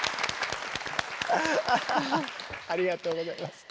ありがとうございます。